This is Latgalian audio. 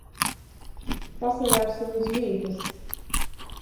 Pasavērsim iz vītys.